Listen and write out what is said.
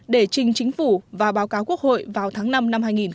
để trình chính phủ và báo cáo quốc hội vào tháng năm năm hai nghìn hai mươi